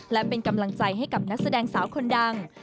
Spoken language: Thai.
และเป็นกำลังใจให้กับนักแสดงสาวคนดัง